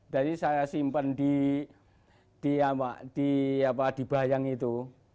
jadi saya simpan di bayang itu